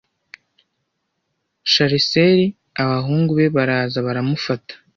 Shareseri abahungu be baraza baramufata